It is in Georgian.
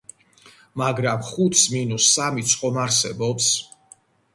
მაგრამ ხუთს მინუს სამიც ხომ არსებობს?